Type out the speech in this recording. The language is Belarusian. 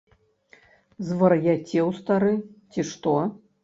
Звар'яцеў, стары, цi што?